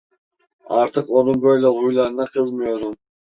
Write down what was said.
Artık onun böyle huylarına kızmıyorum…